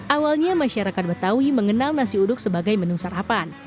awalnya masyarakat betawi mengenal nasi uduk sebagai menu sarapan